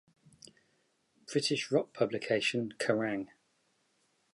British rock publication, Kerrang!